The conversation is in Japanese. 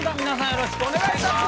よろしくお願いします！